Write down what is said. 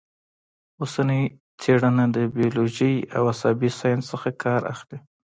اوسنۍ څېړنه د بیولوژۍ او عصبي ساینس څخه کار اخلي